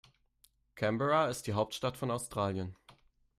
Canberra ist die Hauptstadt von Australien.